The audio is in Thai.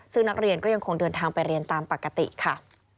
ซึ่งนักเรียนก็ยังคงเดินทางไปเรียนตามปกติค่ะ